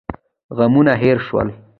غمونه هېر شول.